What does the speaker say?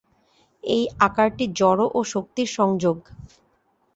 এই আকারটি জড় ও শক্তির সংযোগ।